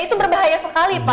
itu berbahaya sekali pak